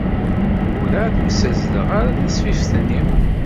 Werɛad ur ssazzleɣ ara tasfift-nni.